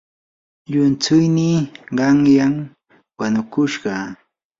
llumtsuynii qanyan wanukushqa.